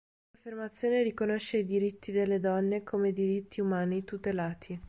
Questa affermazione riconosce i diritti delle donne come diritti umani tutelati.